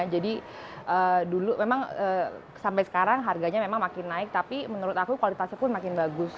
jadi dulu memang sampai sekarang harganya memang makin naik tapi menurut aku kualitasnya pun makin bagus